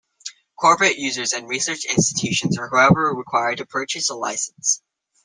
Corporate users and research institutions are however required to purchase a licence.